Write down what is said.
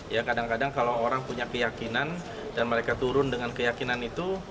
ya kadang kadang kalau orang punya keyakinan dan mereka turun dengan keyakinan itu